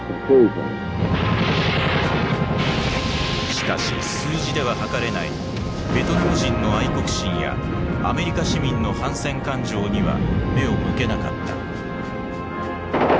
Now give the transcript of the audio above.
しかし数字では測れないベトナム人の愛国心やアメリカ市民の反戦感情には目を向けなかった。